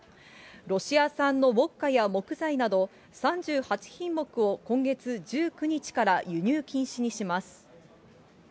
ロシア産のウォッカや木材など、３８品目を今月１９日から輸入禁止にします。